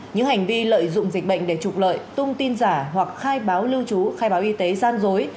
những hành vi lợi dụng dịch bệnh để trục lợi tung tin giả hoặc khai báo lưu trú khai báo y tế gian dối